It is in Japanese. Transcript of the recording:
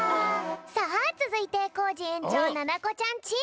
さあつづいてコージ園長ななこちゃんチーム！